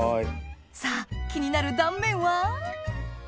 さぁ気になる断面は？